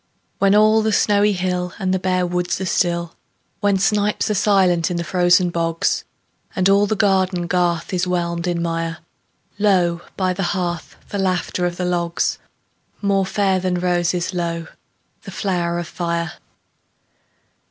When all the snowy hill And the bare woods are still; When snipes are silent in the frozen bogs, And all the garden garth is whelmed in mire, Lo, by the hearth, the laughter of the logs— More fair than roses, lo, the flowers of fire!